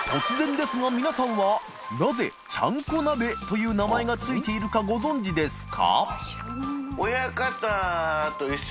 海任垢皆さんは覆「ちゃんこ鍋」という名前が付いているかご存じですか？